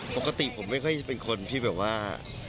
ปกติผมไม่ค่อยจะเป็นคนที่แบบว่า